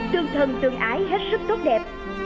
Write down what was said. tương thân tương ái hết sức tốt đẹp